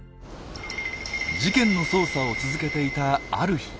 事件の捜査を続けていたある日。